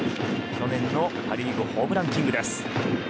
去年のパ・リーグホームランキングです。